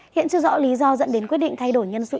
hiện chưa rõ lý do dẫn đến quyết định thay đổi nhân sự